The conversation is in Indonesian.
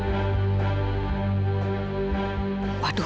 pak wisnu yang pinjang itu kan